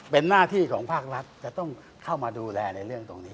เป็นหน้าที่ของภาครัฐจะต้องเข้ามาดูแลในเรื่องตรงนี้